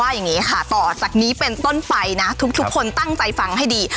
แต่ว่าจากนี้เป็นต้นไปนะทุกคนตั้งใจฟังให้ดี